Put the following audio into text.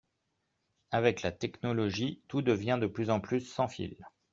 Avec la technologie tout devient de plus en plus sans fil